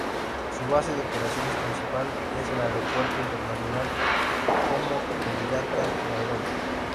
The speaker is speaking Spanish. Su base de operaciones principal es el Aeropuerto Internacional Jomo Kenyatta, Nairobi.